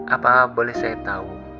apa boleh saya tahu